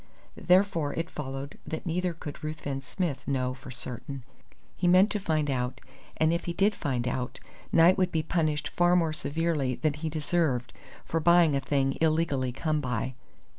Therefore it followed that neither could Ruthven Smith know for certain. He meant to find out, and if he did find out, Knight would be punished far more severely than he deserved for buying a thing illegally come by.